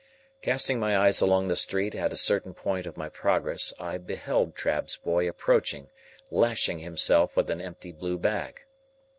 Casting my eyes along the street at a certain point of my progress, I beheld Trabb's boy approaching, lashing himself with an empty blue bag.